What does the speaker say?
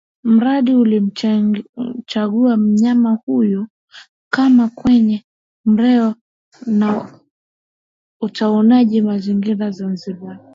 Mradi ulimchagua mnyama huyu kuwa kwenye nembo ya utunzaji mazingira Zanzibar